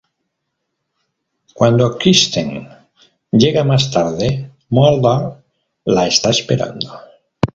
Cuando Kristen llega más tarde, Mulder la está esperando.